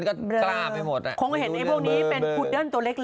ให้แบบว่าให้ฆ่าเลย